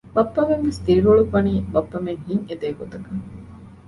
ބައްޕަމެން ވެސް ދިރިއުޅުއްވަނީ ބައްޕަމެން ހިތް އެދޭ ގޮތަކަށް